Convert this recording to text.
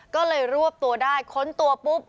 ก็เลยรวบตัวได้ค้นตัวปุ๊บ